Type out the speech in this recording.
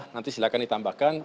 nanti silakan ditambahkan